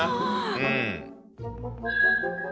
うん。